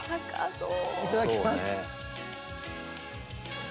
いただきます。